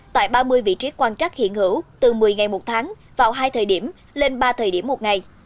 tại ba mươi vị trí quan trắc hiện hữu từ một mươi ngày một tháng vào hai thời điểm lên ba thời điểm một ngày